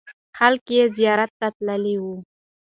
خلک یې زیارت ته تللې وو.